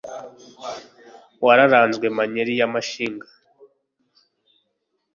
wararanzwe Manyeli ya Mashinga